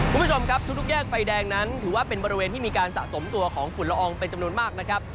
คุณผู้ชมครับทุกแยกไฟแดงนั้นถือว่าเป็นบริเวณที่มีการสะสมตัวของฝุ่นละอองเป็นจำนวนมากนะครับ